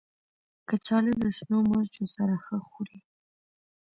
کچالو له شنو مرچو سره ښه خوري